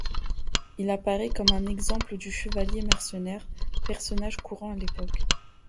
Il apparaît comme un exemple du chevalier mercenaire, personnage courant à l'époque.